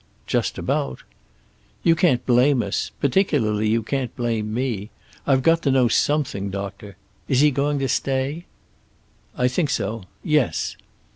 "Just about." "You can't blame us. Particularly, you can't blame me. I've got to know something, doctor. Is he going to stay?" "I think so. Yes."